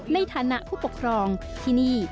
ในฐานะผู้ปกครองที่นี่